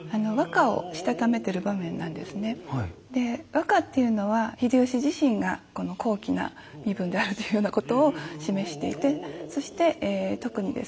あれはですねで和歌っていうのは秀吉自身が高貴な身分であるというようなことを示していてそして特にですね